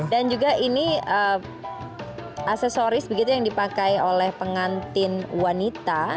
dan juga ini aksesoris begitu yang dipakai oleh pengantin wanita